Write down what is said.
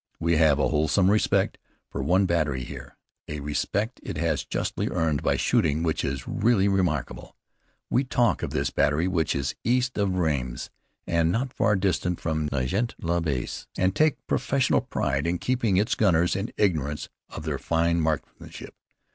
We have a wholesome respect for one battery here, a respect it has justly earned by shooting which is really remarkable. We talk of this battery, which is east of Rheims and not far distant from Nogent l'Abbesse, and take professional pride in keeping its gunners in ignorance of their fine marksmanship.